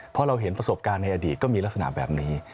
เพราะเราเห็นประสบการณ์ในอดีตก็มีลักษณะแบบนี้